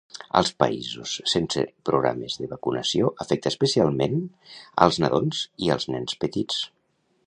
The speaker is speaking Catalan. Als països sense programes de vacunació afecta especialment als nadons i als nens petits.